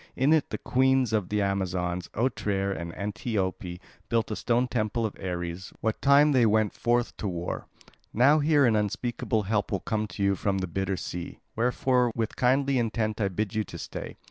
In it the Queens of the Amazons, Otrere and Antiope, built a stone temple of Ares what time they went forth to war. Now here an unspeakable help will come to you from the bitter sea; wherefore with kindly intent I bid you stay.